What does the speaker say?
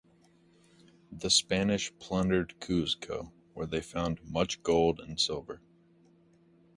The Spanish plundered Cuzco, where they found much gold and silver.